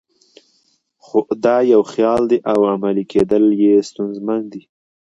خو دا یو خیال دی او عملي کېدل یې ستونزمن دي.